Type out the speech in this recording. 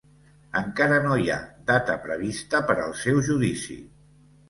Encara no hi ha data prevista per al seu judici.